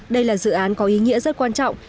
đây là dự án có ý nghĩa rất quan trọng